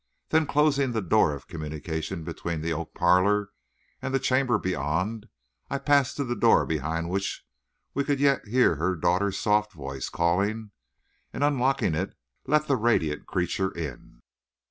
Then closing the door of communication between the oak parlor and the chamber beyond, I passed to the door behind which we could yet hear her daughter's soft voice calling, and, unlocking it, let the radiant creature in.